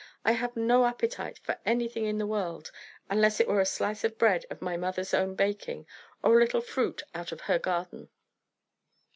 I have no appetite for anything in the world, unless it were a slice of bread of my mother's own baking, or a little fruit out of her garden."